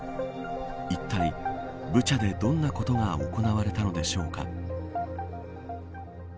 いったいブチャでどんなことが行われたのでしょうか。